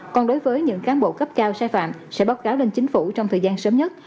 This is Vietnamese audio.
còn đối với những cán bộ cấp cao sai phạm sẽ báo cáo lên chính phủ trong thời gian sớm nhất